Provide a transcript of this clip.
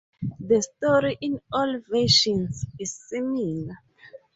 The story in all versions is similar.